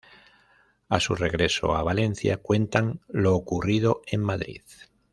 A su regreso a Valencia cuentan lo ocurrido en Madrid.